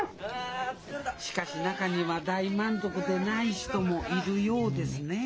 しかし中には大満足でない人もいるようですねえ